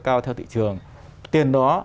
cao theo thị trường tiền đó